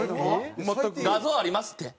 「画像あります」って。